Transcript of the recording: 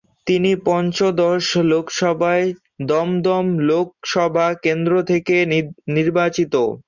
তিনি পঞ্চদশ লোকসভায় দমদম লোকসভা কেন্দ্র থেকে নির্বাচিত।